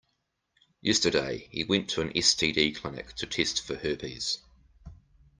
Yesterday, he went to an STD clinic to test for herpes.